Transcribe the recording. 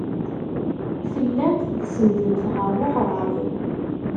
Tellamt tsenndemt ɣer weɣrab.